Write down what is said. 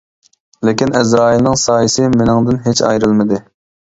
لېكىن ئەزرائىلنىڭ سايىسى مېنىڭدىن ھېچ ئايرىلمىدى.